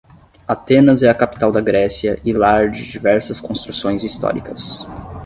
Atenas é a capital da Grécia e lar de diversas construções históricas